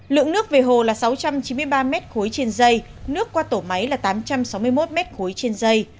lượng nước về hồ là sáu trăm chín mươi ba mét khối trên dây nước qua tổ máy là tám trăm sáu mươi một mét khối trên dây